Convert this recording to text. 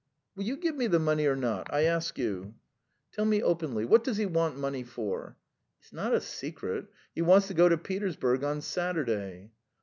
"Will you give me the money or not? I ask you!" "Tell me openly: what does he want money for?" "It's not a secret; he wants to go to Petersburg on Saturday."